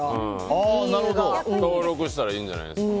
登録したらいいんじゃないですか。